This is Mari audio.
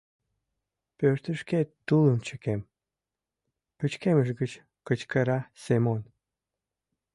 — Пӧртышкет тулым чыкем! — пычкемыш гыч кычкыра Семон.